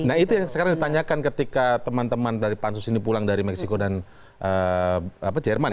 nah itu yang sekarang ditanyakan ketika teman teman dari pansus ini pulang dari meksiko dan jerman ya